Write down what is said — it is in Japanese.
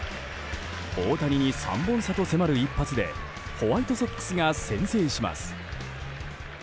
大谷に３本差と迫る一発でホワイトソックスが先制します。